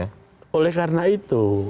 nah oleh karena itu